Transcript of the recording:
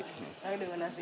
sayur dengan nasi ya